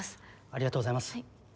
ありがとうございます。